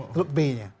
pukul b nya